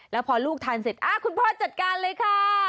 แล้วพอลูกทานเสร็จคุณพ่อจัดการเลยค่ะ